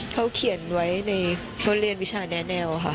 เขาเขียนไว้ในทดเรียนวิชาแนะแนวค่ะ